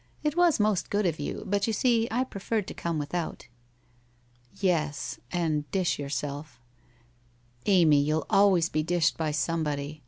It was most good of you, but you see, I preferred to come without.' ' Yes, and dish yourself. Amy, you'll always be dished by somebody.